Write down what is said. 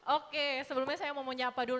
oke sebelumnya saya mau menjawab